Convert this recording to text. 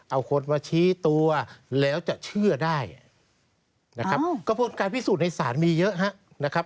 เอาคนมาชี้ตัวแล้วจะเชื่อได้นะครับกระบวนการพิสูจน์ในศาลมีเยอะฮะนะครับ